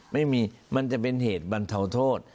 มันจะเป็นเหตุบรรเทาโทษ